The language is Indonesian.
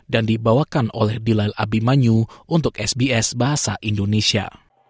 dan dibawakan oleh dilail abimanyu untuk sbs bahasa indonesia